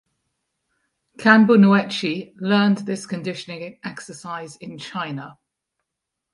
Kanbun Uechi learned this conditioning exercise in China.